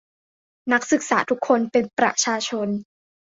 นักศึกษาทุกคนเป็นประชาชน